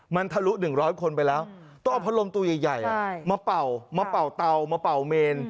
มันทะลุ๑๐๐คนไปแล้วต้องเอาพัดลมตัวใหญ่มาเป่ามาเป่าเตามาเป่าเมน